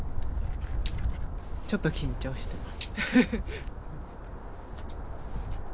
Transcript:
ちょっと緊張してます。